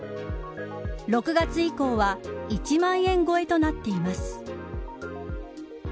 ６月以降は１万円超えとなっています。